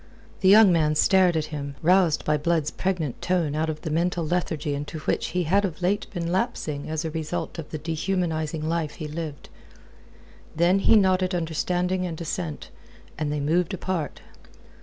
The young man stared at him, roused by Blood's pregnant tone out of the mental lethargy into which he had of late been lapsing as a result of the dehumanizing life he lived. Then he nodded understanding and assent, and they moved apart.